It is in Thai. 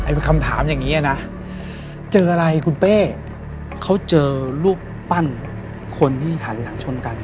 คำถามอย่างนี้นะเจออะไรคุณเป้เขาเจอรูปปั้นคนที่หันหลังชนกัน